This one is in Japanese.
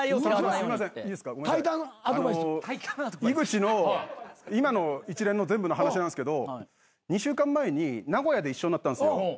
井口の今の一連の全部の話なんですけど２週間前に名古屋で一緒になったんですよ。